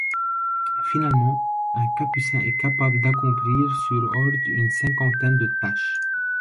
Finalement, un capucin est capable d'accomplir sur ordre une cinquantaine de tâches.